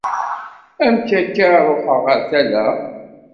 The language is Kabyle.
-Amek akka ara ruḥeɣ ɣer tala?